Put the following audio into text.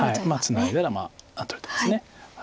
ツナいだら取れてます。